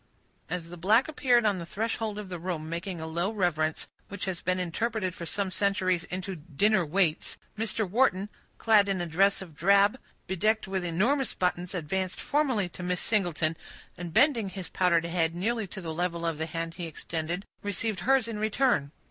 As the black appeared on the threshold of the room, making a low reverence, which has been interpreted for some centuries into "dinner waits," Mr. Wharton, clad in a dress of drab, bedecked with enormous buttons, advanced formally to Miss Singleton, and bending his powdered head nearly to the level of the hand he extended, received hers in return.